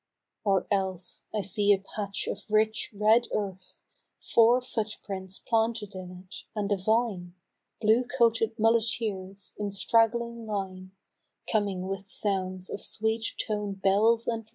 Or else, I see a patch of rich red earth, Four foot prints planted in it, and a vine, Blue coated muleteers, in stragg'ling line, Coming with sounds of sweet toned bells and mirth.